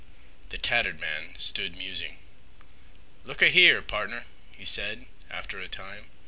The tattered man stood musing. "Look a here, pardner," he said, after a time.